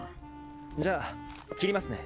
じゃあ切りますね。